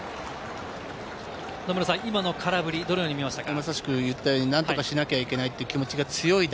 今の空振り、どのように見ましたか？